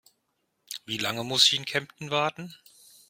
Wie lange muss ich in Kempten warten?